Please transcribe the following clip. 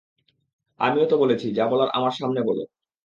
আমিও তো বলেছি, যা বলার আমার সামনে বলো।